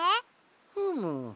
ふむ。